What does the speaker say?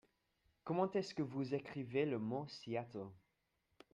Comment est-ce que vous écrivez le mot Seattle ?